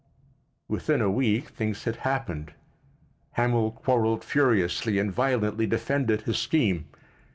Within a week things had happened. Hamil quarrelled furiously and violently defended his scheme.